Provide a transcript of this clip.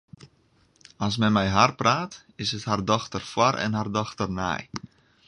As men mei har praat, is it har dochter foar en har dochter nei.